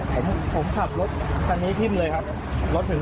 ผมขับรถรถกันนี้ทิ่มเลยครับ